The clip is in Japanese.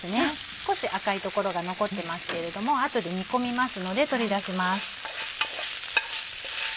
少し赤い所が残ってますけれども後で煮込みますので取り出します。